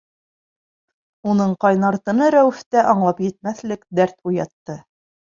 Уның ҡайнар тыны Рәүефтә аңлап етмәҫлек дәрт уятты.